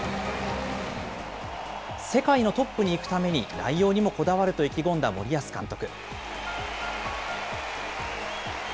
世界のトップに行くために、内容にもこだわると意気込んだ森保監督。